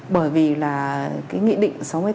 bởi vì là cái nghị định sáu mươi tám